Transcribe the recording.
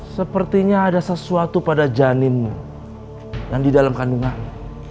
sepertinya ada sesuatu pada janinmu dan di dalam kandungan